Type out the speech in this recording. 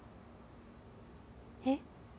えっ？